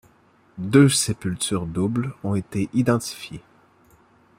Deux sépultures doubles ont été identifiées.